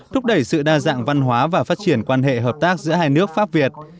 thúc đẩy sự đa dạng văn hóa và phát triển quan hệ hợp tác giữa hai nước pháp việt